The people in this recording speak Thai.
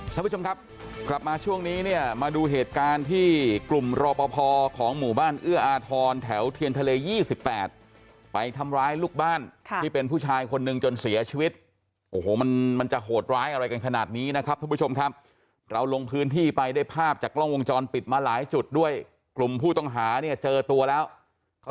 ท่านผู้ชมครับกลับมาช่วงนี้เนี่ยมาดูเหตุการณ์ที่กลุ่มรอปภของหมู่บ้านเอื้ออาทรแถวเทียนทะเล๒๘ไปทำร้ายลูกบ้านที่เป็นผู้ชายคนหนึ่งจนเสียชีวิตโอ้โหมันมันจะโหดร้ายอะไรกันขนาดนี้นะครับท่านผู้ชมครับเราลงพื้นที่ไปได้ภาพจากกล้องวงจรปิดมาหลายจุดด้วยกลุ่มผู้ต้องหาเนี่ยเจอตัวแล้วเขา